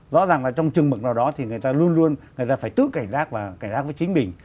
rõ ràng là trong chừng mực nào đó thì người ta luôn luôn người ta phải tự cảnh giác và cảnh giác với chính mình